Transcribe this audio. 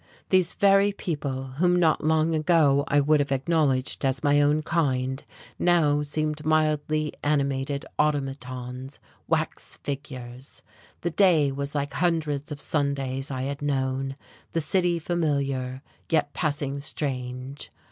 These very people, whom not long ago I would have acknowledged as my own kind, now seemed mildly animated automatons, wax figures. The day was like hundreds of Sundays I had known, the city familiar, yet passing strange.